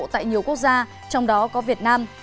tại nhiều quốc gia trong đó có việt nam